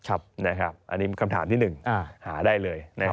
อันนี้คำถามที่๑หาได้เลย